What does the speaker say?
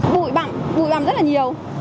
bùi bặm bùi bặm rất là nhiều